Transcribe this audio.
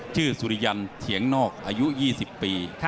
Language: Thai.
ชื่อสุริยันร์เถียงนอกอายุ๒๐ปี